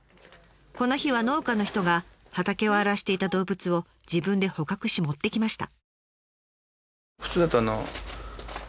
この日は農家の人が畑を荒らしていた動物を自分で捕獲し持ってきました。